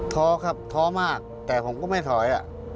ท้อครับท้อมากแต่ผมก็ไม่ถอย